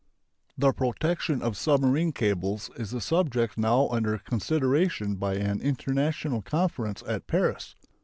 The protection of submarine cables is a subject now under consideration by an international conference at Paris.